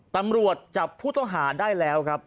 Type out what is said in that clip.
ตำรวจจับผู้ต้องหาได้แล้วครับ